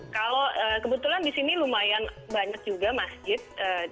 kalau kebetulan di sini lumayan banyak juga masjid